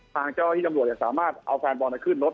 ทางเจ้าที่ตำรวจสามารถเอาแฟนบอลขึ้นรถ